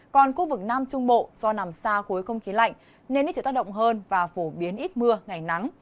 còn khu vực nam trung bộ do nằm xa khối không khí lạnh nên nó chịu tác động hơn và phổ biến ít mưa ngày nắng